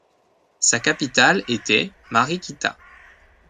Sa capitale était Mariquita.